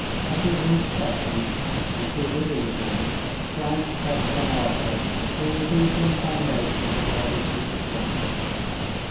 At his intercession, and through his influence, Frank, Cecil, and Arthur were received on the foundation of a well reputed grammar school.